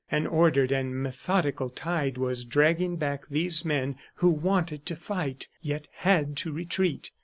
An ordered and methodical tide was dragging back these men who wanted to fight, yet had to retreat.